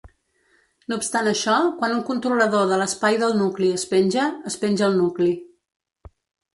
No obstant això, quan un controlador de l'espai del nucli es penja, es penja el nucli.